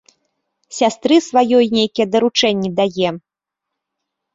Сястры сваёй нейкія даручэнні дае.